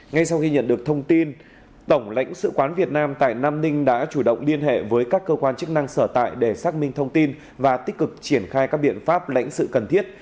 ngay sau khi nhận được thông tin tổng lãnh sự quán việt nam tại nam ninh đã chủ động liên hệ với các cơ quan chức năng sở tại để xác minh thông tin và tích cực triển khai các biện pháp lãnh sự cần thiết